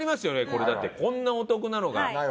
これだってこんなお得なのが合算ですから。